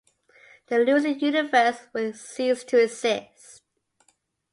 The losing universe would cease to exist.